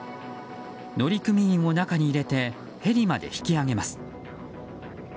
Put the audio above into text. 乗組員を中に入れてヘリまで引き上げます。